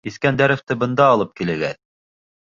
— Искәндәровты бында алып килегеҙ.